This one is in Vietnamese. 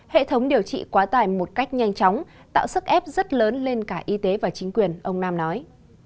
hệ thống điều trị quá tải một cách nhanh chóng tạo sức ép rất lớn lên cả y tế và chính quyền ông nam nói